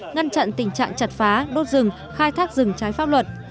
ngăn chặn tình trạng chặt phá đốt rừng khai thác rừng trái pháp luật